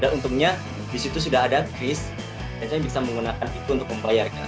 dan untungnya di situ sudah ada chris dan saya bisa menggunakan itu untuk membayarnya